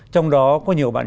trong đó có nhiều bạn